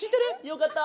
よかった。